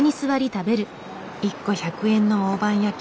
１個１００円の大判焼き。